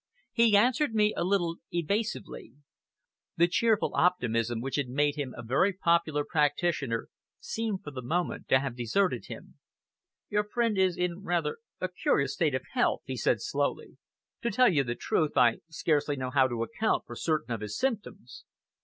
He answered me a little evasively. The cheerful optimism which had made him a very popular practitioner seemed for the moment to have deserted him. "Your friend is in rather a curious state of health," he said slowly. "To tell you the truth, I scarcely know how to account for certain of his symptoms."